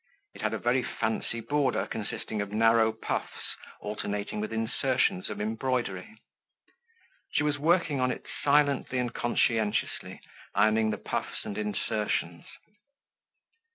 It had a very fancy border consisting of narrow puffs alternating with insertions of embroidery. She was working on it silently and conscientiously, ironing the puffs and insertions.